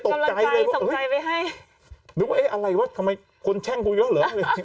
ส่งใจไปให้หรือว่าเอ๊ะอะไรวะทำไมคนแช่งกูเยอะเหรอ